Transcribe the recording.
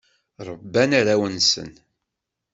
Rebban arraw-nsen.